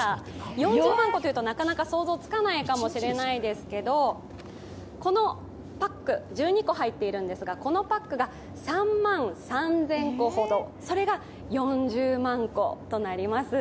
４０万個というと、なかなか想像つかないかもしれないですけどこのパック、１２個入っているんですが、このパックが３万３０００個ほど、それが４０万個となります。